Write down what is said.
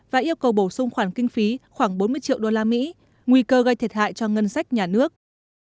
và yêu cầu bổ sung khoản kinh phí khoảng bốn mươi triệu usd nguy cơ gây thiệt hại cho ngân sách nhà nước